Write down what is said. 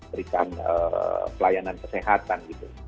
perikan pelayanan kesehatan